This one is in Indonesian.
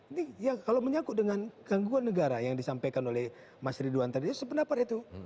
ini ya kalau menyakut dengan gangguan negara yang disampaikan oleh mas ridwan tadi sependapat itu